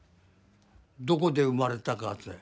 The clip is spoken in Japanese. どこで生まれたかっつうの。